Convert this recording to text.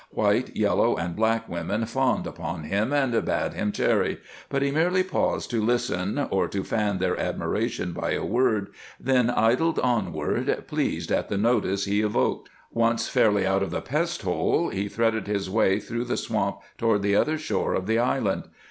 White, yellow, and black women fawned upon him and bade him tarry, but he merely paused to listen or to fan their admiration by a word, then idled onward, pleased at the notice he evoked. Once fairly out of the pest hole, he threaded his way through the swamp toward the other shore of the island.